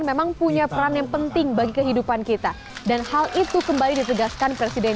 memang punya peran yang penting bagi kehidupan kita dan hal itu kembali ditegaskan presiden